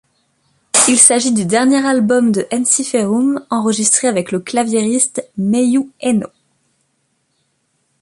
Il s'agit du dernier album de Ensiferum enregistré avec le claviériste Meiju Enho.